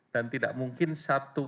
dan tidak mungkin satu